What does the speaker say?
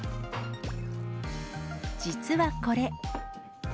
実はこれ。